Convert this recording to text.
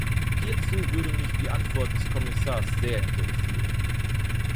Hierzu würde mich die Antwort des Kommissars sehr interessieren.